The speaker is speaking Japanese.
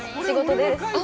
仕事です。